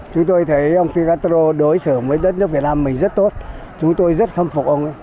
chúng tôi thấy ông fidel castro đối xử với đất nước việt nam mình rất tốt chúng tôi rất khâm phục ông ấy